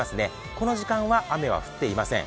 この時間は雨は降っていません。